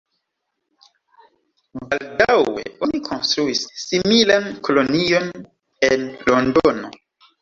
Baldaŭe oni konstruis similan kolonion en Londono.